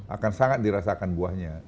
akan sangat dirasakan buahnya